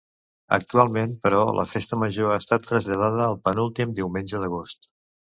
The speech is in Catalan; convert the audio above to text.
Actualment, però, la Festa Major ha estat traslladada al penúltim diumenge d'agost.